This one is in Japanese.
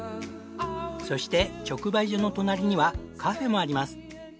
そして直売所の隣にはカフェもあります。